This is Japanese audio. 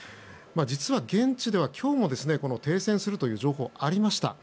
実は現地では今日も停戦するという情報がありました。